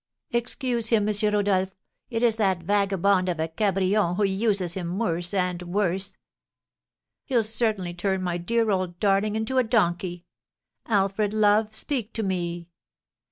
Excuse him, M. Rodolph. It is that vagabond of a Cabrion, who uses him worse and worse. He'll certainly turn my dear old darling into a donkey! Alfred, love, speak to me!"